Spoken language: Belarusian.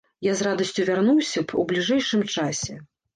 Я з радасцю вярнуўся б ў бліжэйшым часе.